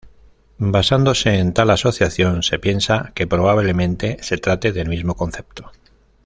Basándose en tal asociación, se piensa que probablemente se trate del mismo concepto.